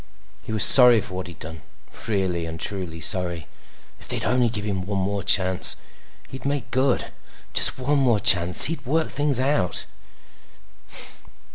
He was sorry for what he had done—really and truly sorry. If they'd only give him one more chance, he'd make good. Just one more chance. He'd work things out.